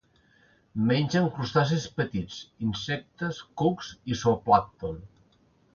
Mengen crustacis petits, insectes, cucs i zooplàncton.